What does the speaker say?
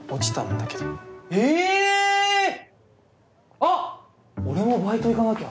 あっ俺もバイト行かなきゃ。